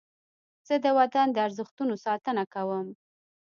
زه د وطن د ارزښتونو ساتنه کوم.